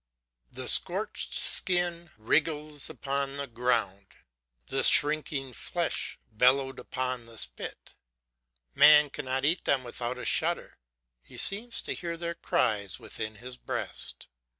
"The scorched skins wriggled upon the ground, The shrinking flesh bellowed upon the spit. Man cannot eat them without a shudder; He seems to hear their cries within his breast.